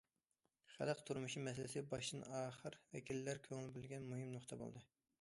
خەلق تۇرمۇشى مەسىلىسى باشتىن- ئاخىر ۋەكىللەر كۆڭۈل بۆلگەن مۇھىم نۇقتا بولدى.